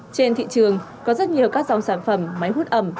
trên thị trường có rất nhiều các dòng sản phẩm máy hút ẩm